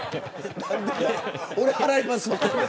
俺が払いますわ。